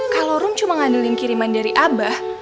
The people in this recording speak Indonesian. kalau rum cuma ngandilin kiriman dari abah